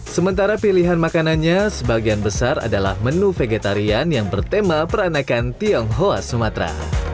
sementara pilihan makanannya sebagian besar adalah menu vegetarian yang bertema peranakan tionghoa sumatera